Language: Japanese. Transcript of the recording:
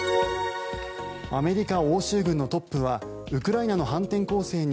アメリカ欧州軍のトップはウクライナの反転攻勢に